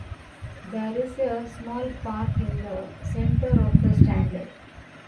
There is a small park in the centre of the Standard.